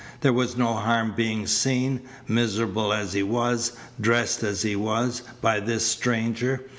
There was no harm being seen, miserable as he was, dressed as he was, by this stranger.